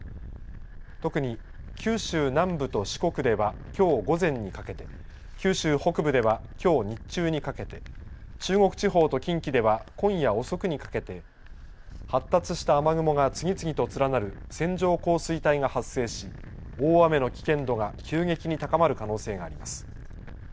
特に九州南部と四国ではきょう午前にかけて、九州北部では、きょう日中にかけて、中国地方と近畿では今夜遅くにかけて、発達した雨雲が次々と連なる線状降水帯が発生し、大雨の危険度が急激に高まる可能性があります。